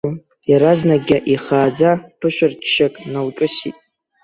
Иаразнакгьы ихааӡа ԥышәырччак налҿысит.